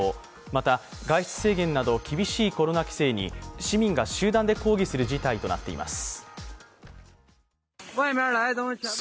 また、外出制限など厳しいコロナ規制に市民が集団で抗議する事態となっています。